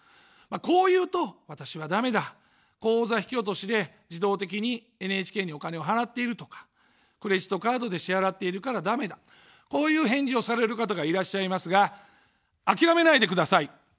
こう言うと、私はだめだ、口座引き落としで自動的にＮＨＫにお金を払っているとか、クレジットカードで支払ってるからだめだ、こういう返事をされる方がいらっしゃいますが、諦めないでください。